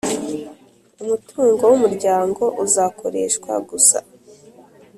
Umutungo w umuryango uzakoreshwa gusa